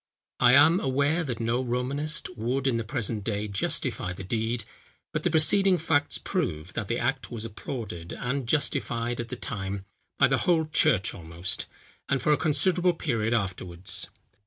I am, aware, that no Romanist would in the present day justify the deed; but the preceding facts prove, that the act was applauded and justified at the time by the whole church almost, and for a considerable period afterwards.